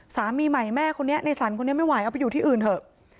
สามีใหม่แม่คนนี้ในสรรคนนี้ไม่ไหวเอาไปอยู่ที่อื่นเถอะ